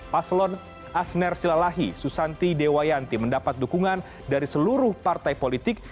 paslon asner silalahi susanti dewayanti mendapat dukungan dari seluruh partai politik